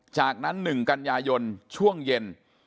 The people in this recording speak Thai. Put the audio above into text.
จากนั้น๑กันยายนช่วงเย็น